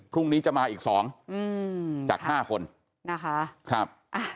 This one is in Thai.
พรุ่งนี้จะมาอีก๒จาก๕คนนะคะครับ